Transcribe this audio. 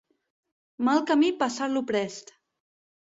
Mal camí passar-lo prest.